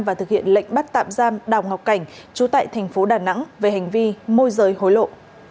và thực hiện lệnh bắt tạm giam đào ngọc cảnh chú tại thành phố đà nẵng về hành vi môi giới hối lộ